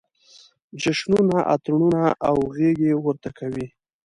جشنونه، اتڼونه او غېږې ورته کوي.